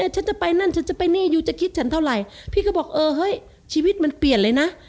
ฉันจะไปนั่นฉันจะไปนี่ยูจะคิดฉันเท่าไหร่พี่ก็บอกเออเฮ้ยชีวิตมันเปลี่ยนเลยนะ